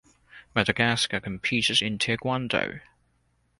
Madagascar competed in taekwondo.